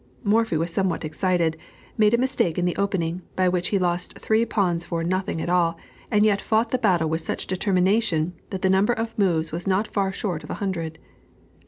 Morphy was somewhat excited, made a mistake in the opening, by which he lost three pawns for nothing at all, and yet fought the battle with such determination, that the number of moves was not far short of a hundred.